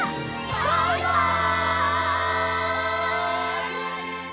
バイバイ！